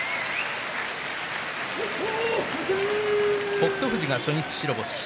北勝富士が初日白星です。